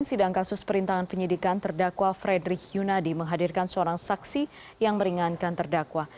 sidang kasus perintangan penyidikan terdakwa frederick yunadi menghadirkan seorang saksi yang meringankan terdakwa